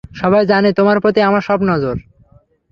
সবাই জানে তোমার প্রতিই আমার সব নজর।